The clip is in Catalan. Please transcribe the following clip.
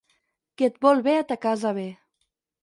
Qui et vol bé a ta casa ve.